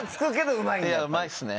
うまいっすね。